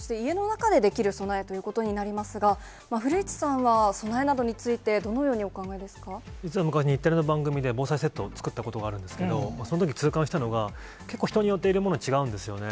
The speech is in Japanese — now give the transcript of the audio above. そして、家の中でできる備えということになりますが、古市さんは、備えなどについてどのよう実は僕は日テレの番組で防災セットを作ったことがあるんですけれども、そのとき痛感したのは、結構、人によって、入れるもの違うんですよね。